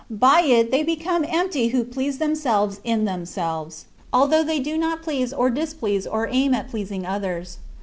By it they become empty who please themselves in themselves, although they do not please or displease or aim at pleasing others.